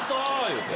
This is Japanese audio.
言うて。